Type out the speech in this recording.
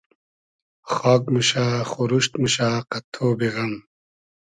خاگ موشۂ خوروشت موشۂ قئد تۉبی غئم